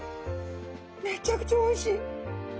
めちゃくちゃおいしい。